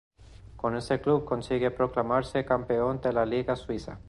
Con este club consigue proclamarse campeón de la Liga suiza.